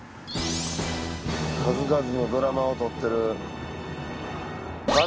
数々のドラマを撮ってる。